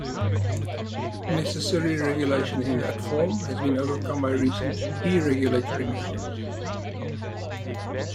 Necessary regulation in that form has been overcome by recent deregulatory measures.